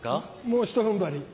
もうひと踏ん張り。